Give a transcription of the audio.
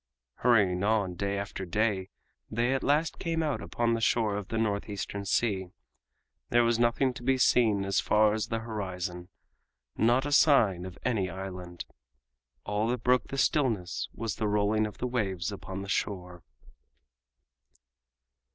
Hurrying on day after day they at last came out upon the shore of the North Eastern Sea. There was nothing to be seen as far as the horizon—not a sign of any island. All that broke the stillness was the rolling of the waves upon the shore.